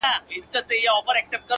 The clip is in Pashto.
ورته ښېراوي هر ماښام كومه،